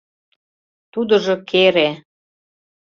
Тудыжо кере.